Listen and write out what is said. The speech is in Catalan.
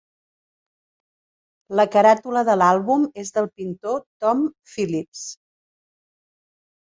La caràtula de l'àlbum és del pintor Tom Phillips.